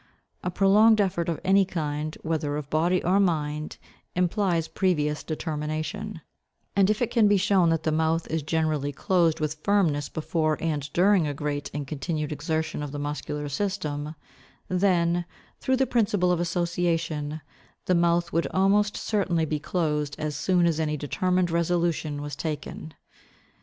A prolonged effort of any kind, whether of body or mind, implies previous determination; and if it can be shown that the mouth is generally closed with firmness before and during a great and continued exertion of the muscular system, then, through the principle of association, the mouth would almost certainly be closed as soon as any determined resolution was taken.